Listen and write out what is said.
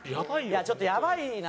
いやちょっとやばいな。